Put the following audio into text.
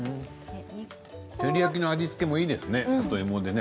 照り焼きの味付けもいいですね、里芋でね。